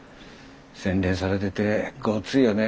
洗練されててゴツいよね。